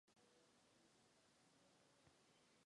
Dafydd, el hermano de Llywelyn, fue nombrado sucesor.